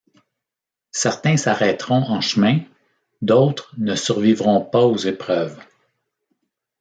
Certains s’arrêteront en chemin, d’autres ne survivront pas aux épreuves.